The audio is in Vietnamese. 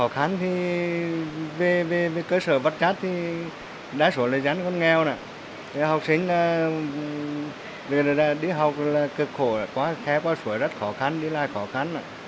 khe qua suối rất khó khăn đi lại khó khăn